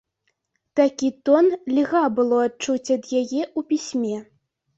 Такі тон льга было адчуць у яе пісьме.